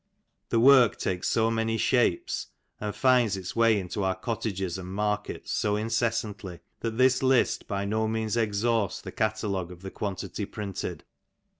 The work takes so many shapes, and finds its way into our cottages and markets so incessantly, that this list by no means exhausts the catalogue of the quantity printed.